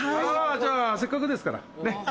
じゃあせっかくですから。